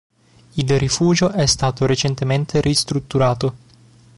Il rifugio è stato recentemente ristrutturato.